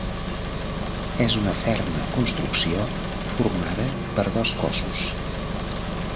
És una ferma construcció formada per dos cossos.